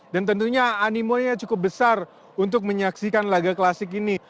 dan tentunya animonya cukup besar untuk menyaksikan laga klasik ini